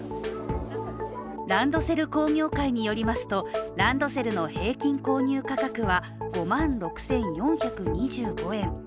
ランドセル工業会によりますと、ランドセルの平均購入価格は５万６４２５円。